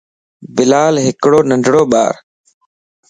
بلال ھڪڙو ننڍو ٻار